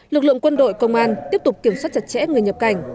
lực lượng quân đội công an tiếp tục kiểm soát chặt chẽ người nhập cảnh